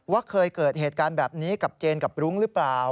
เคยเกิดเหตุการณ์แบบนี้กับเจนกับรุ้งหรือเปล่า